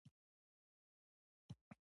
د چقمقتین جهیل په واخان کې دی